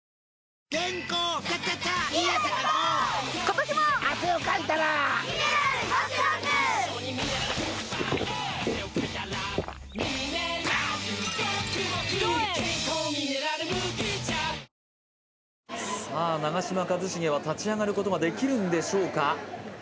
よしよしよしよしさあ長嶋一茂は立ち上がることができるんでしょうか？